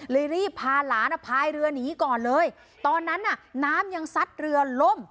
รีบพาหลานอ่ะพายเรือหนีก่อนเลยตอนนั้นน่ะน้ำยังซัดเรือล่ม